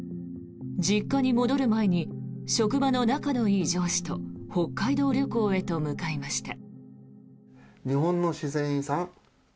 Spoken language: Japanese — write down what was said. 実家に戻る前に職場の仲のいい上司と北海道旅行へと向かいました。